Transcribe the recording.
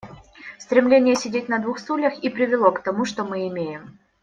Стремление сидеть на двух стульях и привело к тому, что мы имеем.